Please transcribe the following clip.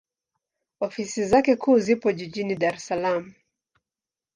Ofisi zake kuu zipo Jijini Dar es Salaam.